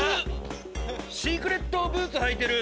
シークレットブーツ履いてる。